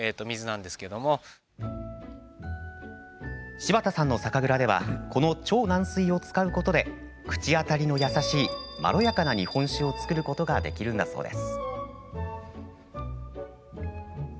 柴田さんの酒蔵ではこの超軟水を使うことで口当たりのやさしいまろやかな日本酒を造ることができるんだそうです。